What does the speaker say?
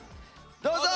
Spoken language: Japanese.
どうぞ！